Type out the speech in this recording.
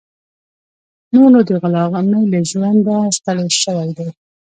نور نو د غلامۍ له ژونده ستړی شوی دی.